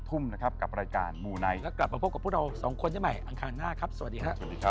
ด้วยความรักด้วยพักดี